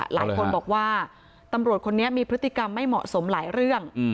หลายคนบอกว่าตำรวจคนนี้มีพฤติกรรมไม่เหมาะสมหลายเรื่อง